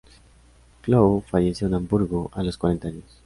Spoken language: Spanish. Clough falleció en Hamburgo a los cuarenta años.